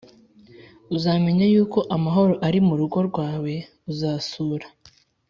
Uzamenya yuko amahoro ari mu rugo rwawe, Uzasura